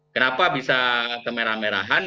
kenapa bisa kemerah merahan